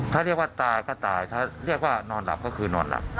ถ้าเรียกว่าตายก็ตายถ้าเรียกว่านอนหลับก็คือนอนหลับ